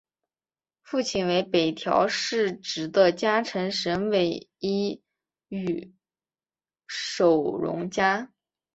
父亲为北条氏直的家臣神尾伊予守荣加。